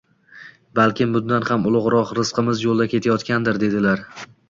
“Balkim bundan ham ulug’roq rizqimiz yo’lda kelayotgandir” dedilar.